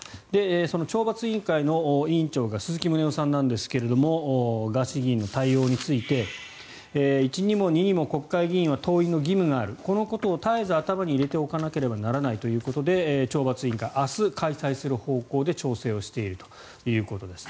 その懲罰委員会の委員長が鈴木宗男さんなんですがガーシー議員の対応について一にも二にも国会議員は登院の義務があるこのことを絶えず頭に入れておかなければならないということで懲罰委員会明日、開催する方向で調整しているということです。